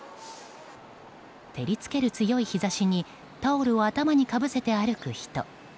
照り付ける強い日差しにタオルを頭にかぶせて歩く人。